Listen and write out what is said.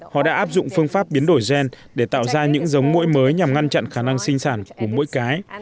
họ đã áp dụng phương pháp biến đổi gen để tạo ra những giống mũi mới nhằm ngăn chặn khả năng sinh sản của mũi cái